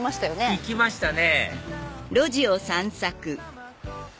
行きましたね